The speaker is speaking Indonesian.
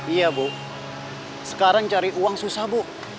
iya bu sekarang cari uang susah bu